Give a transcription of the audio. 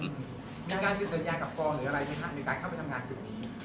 มีการเซ็นสัญญากับกองหรืออะไรไหมครับในการเข้าไปทำงานจุดนี้